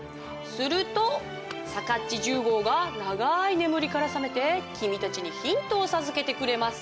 するとさかっち１０号が長い眠りから覚めて君たちにヒントを授けてくれます。